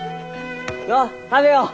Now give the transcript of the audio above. のう食べよう！